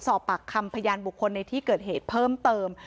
สอบปากคำพยานบุคคลในที่เกิดเหตุเพิ่มเติม